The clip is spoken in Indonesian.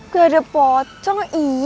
gak ada pocong iiih